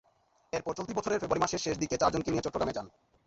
এরপর চলতি বছরের ফেব্রুয়ারি মাসের শেষ দিকে চারজনকে নিয়ে চট্টগ্রামে যান।